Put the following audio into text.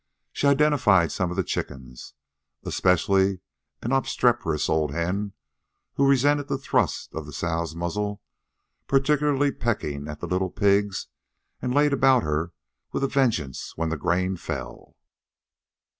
She identified some of the chickens, especially an obstreperous old hen who resented the thrust of the sow's muzzle, particularly pecked at the little pigs, and laid about her with a vengeance when the grain fell.